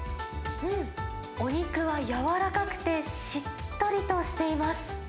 うん、お肉は柔らかくて、しっとりとしています。